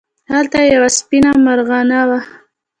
هلته یوه سپېنه مرغانه وه.